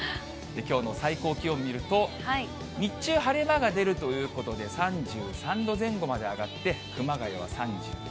きょうの最高気温見ると、日中、晴れ間が出るということで、３３度前後まで上がって、熊谷は３４度。